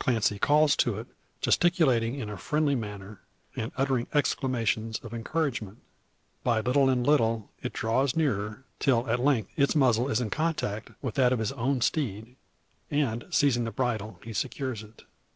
Clancy calls to it, gesticulating in a friendly manner, and uttering exclamations of encouragement. By little and little, it draws nearer, till at length its muzzle is in contact with that of his own steed; and, seizing the bridle, he secures it.